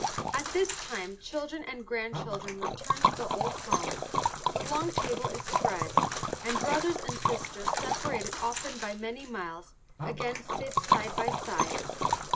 At this time children and grandchildren return to the old home, the long table is spread, and brothers and sisters, separated often by many miles, again sit side by side.